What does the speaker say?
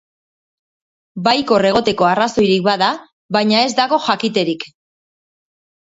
Baikor egoteko arrazoirik bada, baina ez dago jakiterik.